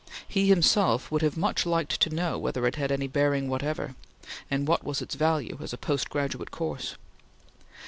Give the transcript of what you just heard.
He himself would have much liked to know whether it had any bearing whatever, and what was its value as a post graduate course.